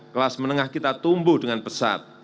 kelas menengah kita tumbuh dengan pesat